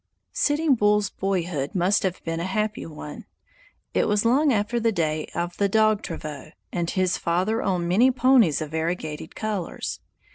Sitting Bull's boyhood must have been a happy one. It was long after the day of the dog travaux, and his father owned many ponies of variegated colors.